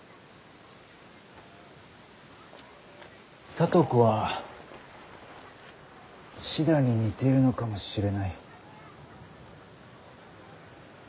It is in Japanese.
聡子はシダに似ているのかもしれない。